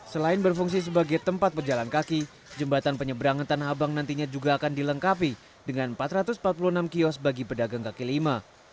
selain berfungsi sebagai tempat pejalan kaki jembatan penyeberangan tanah abang nantinya juga akan dilengkapi dengan empat ratus empat puluh enam kios bagi pedagang kaki lima